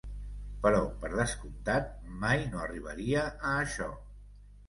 Però, per descomptat, mai no arribaria a això.